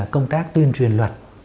công tác tuyên truyền luật